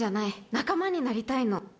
仲間になりたいの。